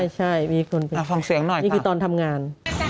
ใช่มีคุณไปนี่คือตอนทำงาน